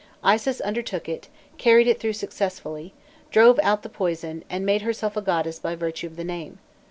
Isis undertook it, carried it through successfully, drove out the poison, and made herself a goddess by virtue of the name.